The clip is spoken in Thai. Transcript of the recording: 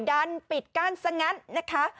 ด้านปิดกั้นสักนับนะคะ